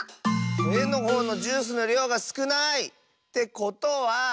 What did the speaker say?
えのほうのジュースのりょうがすくない！ってことは。